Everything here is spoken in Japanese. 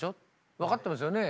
分かってますよね？